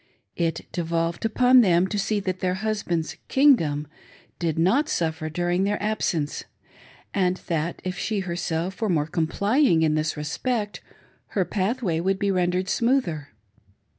It devolved upon them to see that their husband's "kingdom" did not suffer 4uring their absence, and that if she herself were more complying in this respect, her pathway would be rendered smoother.